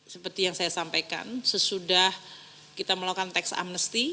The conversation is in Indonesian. seperti yang saya sampaikan sesudah kita melakukan tax amnesty